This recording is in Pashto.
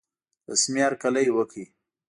رسمي هرکلی وکړ.